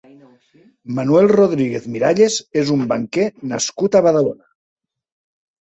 Manuel Rodríguez Miralles és un banquer nascut a Badalona.